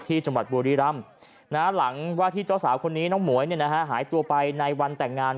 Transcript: ที่จังหวัดบุรีรำหลังว่าที่เจ้าสาวคนนี้น้องหมวยหายตัวไปในวันแต่งงาน